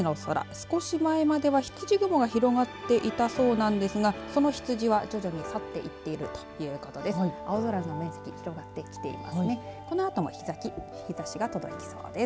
少し前までは、羊雲が広がっていたそうですがその羊は徐々に去っていっているということです。